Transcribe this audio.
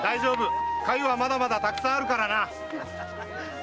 粥はまだまだたくさんあるから大丈夫。